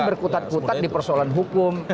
kita kutat kutat di persoalan hukum